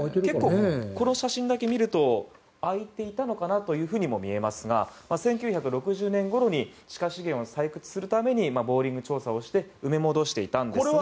この写真を見ると開いていたのかなというふうにも見えますが、１９６０年ごろに地下資源を採掘するためにボーリング調査をするため埋め戻していたんですが。